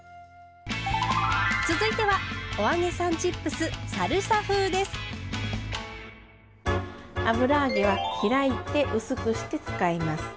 続いては油揚げは開いて薄くして使います。